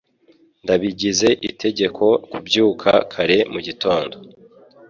Ndabigize itegeko kubyuka kare mugitondo